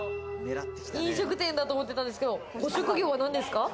飲食店だと思ってたんですけれども、ご職業は何ですか？